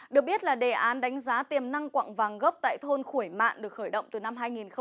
được biết là đề án đánh giá tiềm năng quặng vàng gốc tại thôn khuổi mạn được khởi động từ năm hai nghìn một mươi